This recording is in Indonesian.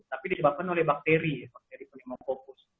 tapi disebabkan oleh bakteri bakteri polimofokus